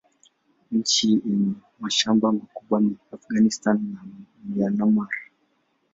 Nchi yenye mashamba makubwa ni Afghanistan na Myanmar.